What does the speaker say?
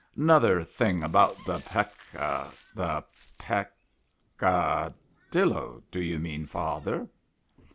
" Nother thing about the Pec ... the Pec '...""... adillo do you mean, father